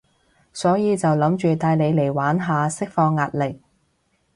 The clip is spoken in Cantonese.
所以就諗住帶你嚟玩下，釋放壓力